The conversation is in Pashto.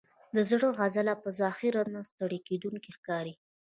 د زړه عضله په ظاهره نه ستړی کېدونکې ښکاري.